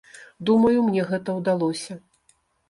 Думаю, мне гэта ўдалося.